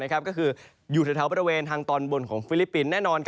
ก็คืออยู่แถวบริเวณทางตอนบนของฟิลิปปินส์แน่นอน